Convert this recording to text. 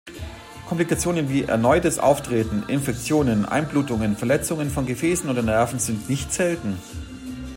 Komplikationen wie erneutes Auftreten, Infektionen, Einblutungen, Verletzungen von Gefäßen oder Nerven sind nicht selten.